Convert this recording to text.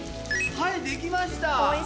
はいできました。